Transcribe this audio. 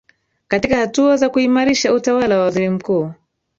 katika hatua za kuimarisha utawala wa waziri mkuu